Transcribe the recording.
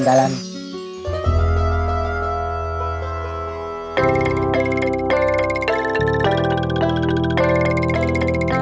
tidak ada motornya di taman